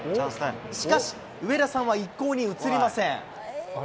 しかし、上田さんは一向に映りません。